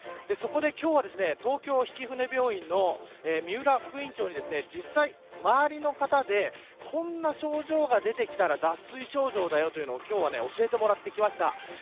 今日は東京曳舟病院の三浦副院長に実際に周りの方でこんな症状が出てきたら脱水症状だよ、ということを教えてもらいました。